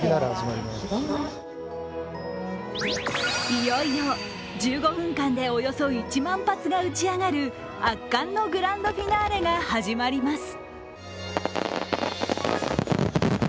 いよいよ、１５分間でおよそ１万発が打ち上がる圧巻のグランドフィナーレが始まります。